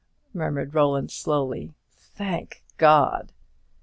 murmured Roland, slowly, "thank God!"